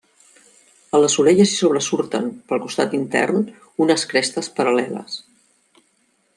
A les orelles hi sobresurten, pel costat intern, unes crestes paral·leles.